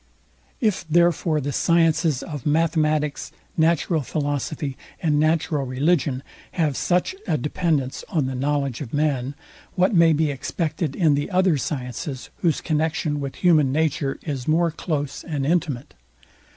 If therefore the sciences of Mathematics, Natural Philosophy, and Natural Religion, have such a dependence on the knowledge of man, what may be expected in the other sciences, whose connexion with human nature is more close and intimate?